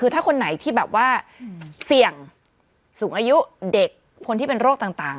ถ้าคนไหนที่เสี่ยงสูงอายุเด็กคนที่เป็นโรคต่าง